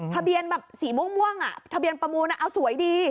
ทะเบียนแบบสีม่วงทะเบียนประมูลเอาสวยดี